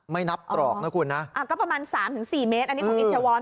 ไม่นับตรอกนะคุณนะก็ประมาณ๓๔เมตรอันนี้คือเอเทวอน